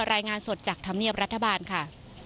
รายงานสดจากธรรมเนียบรัฐบาลค่ะ